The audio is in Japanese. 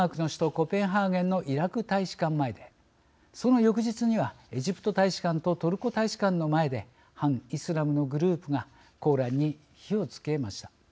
コペンハーゲンのイラク大使館前でその翌日にはエジプト大使館とトルコ大使館の前で反イスラムのグループがコーランに火をつけました。